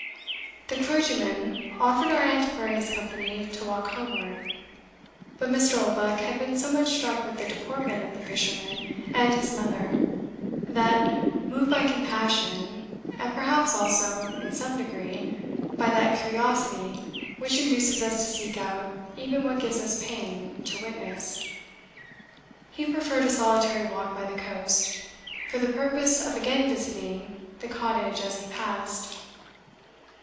The clergyman offered our Antiquary his company to walk homeward; but Mr. Oldbuck had been so much struck with the deportment of the fisherman and his mother, that, moved by compassion, and perhaps also, in some degree, by that curiosity which induces us to seek out even what gives us pain to witness, he preferred a solitary walk by the coast, for the purpose of again visiting the cottage as he passed.